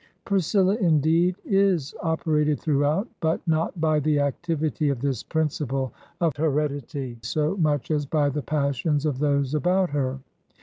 Priscilla, indeed, is operated throughout, but not by the activity of this principle of heredity so much as by the passions of those about her.